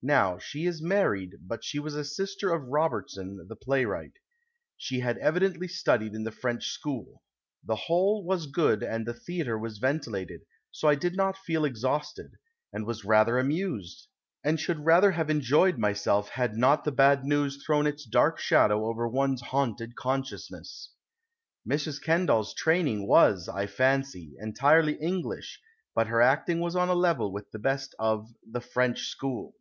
Now she is married, but she was a sister of Robertson, the playwright. She had evidently studied in the French sehool. The whole was good and the theatre was ventilated ; so I did not feel exhausted, and was rather amused, and slid, rather have enjoyed myself had not the bad news thrown its dark shadow over one's haunted eonseiousness. ..." Mrs. Kendal's training was, I fancy, entirely English, but her acting was on a level with the best of " the French sehool."